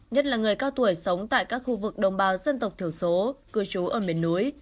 nhất là người cao tuổi sống tại các khu vực đồng bào dân tộc thiểu số cư trú ở miền núi